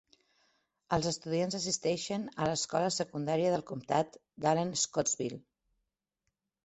Els estudiants assisteixen a l'escola secundària del comtat d'Allen Scottsville.